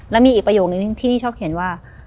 แล้วมีอีกประโยคนึงที่ชอบเขียนว่า